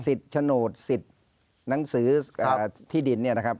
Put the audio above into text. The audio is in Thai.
สิทธิ์ฉโนตสิทธิ์หนังสือที่ดินนะครับ